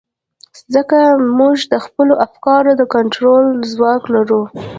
ځکه موږ د خپلو افکارو د کنټرول ځواک لرو.